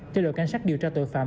cho đội canh sát điều tra tội phạm